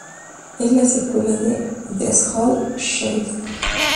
Es la secuela de "These Old Shades".